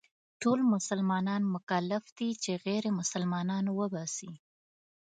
ټول مسلمانان مکلف دي چې غير مسلمانان وباسي.